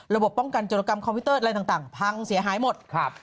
ระบบป้องกันโจรกรรมคอมพิวเตอร์อะไรต่างพังเสียหายหมด